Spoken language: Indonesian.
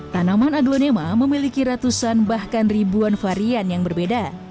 tanaman aglonema memiliki ratusan bahkan ribuan varian yang berbeda